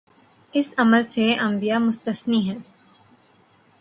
اس عمل سے انبیا مستثنی ہیں۔